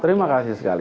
terima kasih sekali